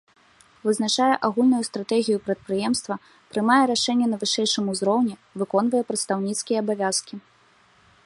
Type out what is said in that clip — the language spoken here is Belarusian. Вызначае агульную стратэгію прадпрыемства, прымае рашэнні на вышэйшым узроўні, выконвае прадстаўніцкія абавязкі.